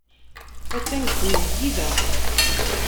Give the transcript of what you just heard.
Attan deg tmesgida.